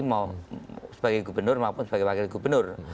mau sebagai gubernur maupun sebagai wakil gubernur